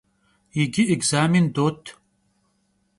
Yicı ekzamên dot.